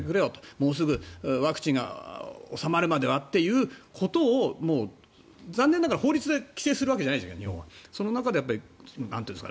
もうすぐワクチンで収まるまではということを残念ながら日本は法律で規制するわけじゃないじゃないですか。